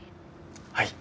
はい。